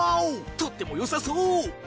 とっても良さそう！